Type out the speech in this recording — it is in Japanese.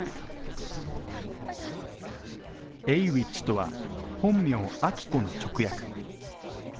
Ａｗｉｃｈとは、本名・亜希子の直訳。